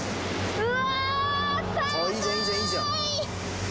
うわ！